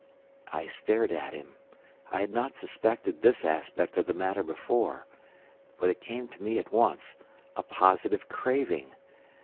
I stared at him. I had not suspected this aspect of the matter before. But it came to me at once—a positive craving.